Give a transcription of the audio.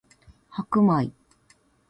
白米